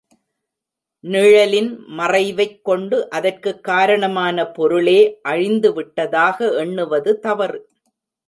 நிழலின் மறைவைக் கொண்டு, அதற்குக் காரணமான பொருளே அழிந்து விட்டதாக எண்ணுவது தவறு.